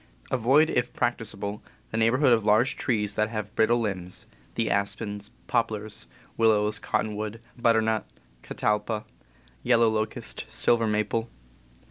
Avoid, if practicable, the neighborhood of large trees that have brittle limbs (the aspens, poplars, willows, cottonwood, butternut, catalpa, yellow locust, silver maple).